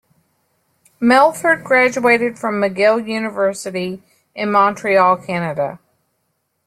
Melford graduated from McGill University in Montreal, Canada.